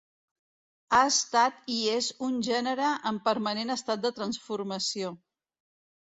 Ha estat i és un gènere en permanent estat de transformació.